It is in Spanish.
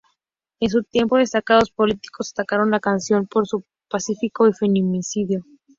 En su tiempo, destacados políticos atacaron la canción por su pacifismo y feminismo.